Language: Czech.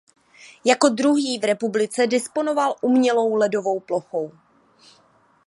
Jako druhý v republice disponoval umělou ledovou plochou.